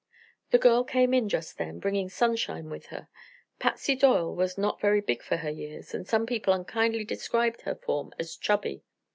The girl came in just then, bringing sunshine with her. Patsy Doyle was not very big for her years, and some people unkindly described her form as "chubby."